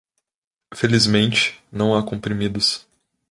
Felizmente, não há comprimidos.